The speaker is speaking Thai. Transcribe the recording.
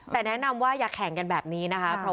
แต่แนะนำว่าอย่าแข่งกันแบบนี้นะคะ